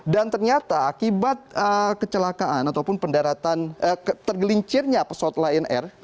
dan ternyata akibat kecelakaan ataupun tergelincirnya pesawat lion air